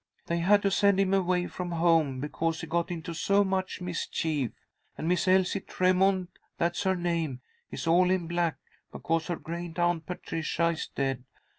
They had to send him away from home because he got into so much mischief. And Miss Elsie Tremont, that's her name, is all in black because her Great Aunt Patricia is dead.